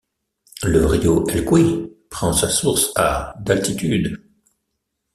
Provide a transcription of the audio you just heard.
Le rio Elqui prend sa source à d'altitude.